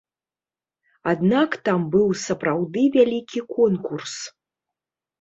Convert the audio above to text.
Аднак там быў сапраўды вялікі конкурс.